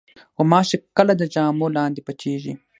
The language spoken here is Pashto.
غوماشې کله د جامو لاندې پټېږي.